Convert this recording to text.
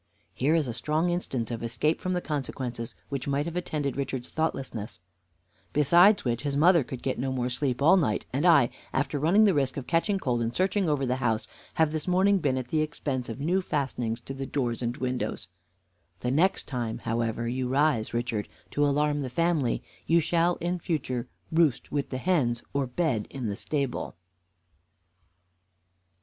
Here is a strong instance of escape from the consequences which might have attended Richard's thoughtlessness; besides which, his mother could get no more sleep all night, and I, after running the risk of catching cold in searching over the house, have this morning been at the expense of new fastenings to the doors and windows. The next time, however, you rise, Richard, to alarm the family, you shall in future roost with the hens or bed in the stable."